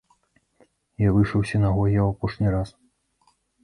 Я выйшаў з сінагогі ў апошні раз.